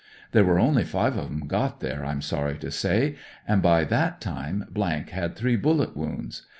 There were only five of 'em got there, I'm sorry to say, and by that time had three bullet woimds.